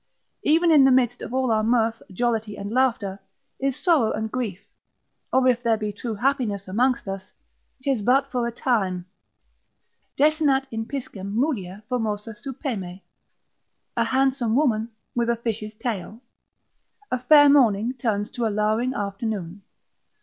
Even in the midst of all our mirth, jollity, and laughter, is sorrow and grief, or if there be true happiness amongst us, 'tis but for a time, Desinat in piscem mulier formosa superne: A handsome woman with a fish's tail, a fair morning turns to a lowering afternoon.